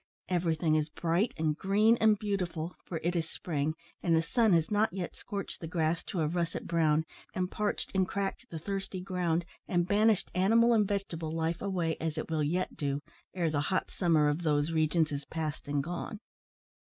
Everything is bright, and green, and beautiful; for it is spring, and the sun has not yet scorched the grass to a russet brown, and parched and cracked the thirsty ground, and banished animal and vegetable life away, as it will yet do, ere the hot summer of those regions is past and gone.